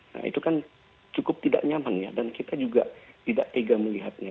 nah itu kan cukup tidak nyaman ya dan kita juga tidak tega melihatnya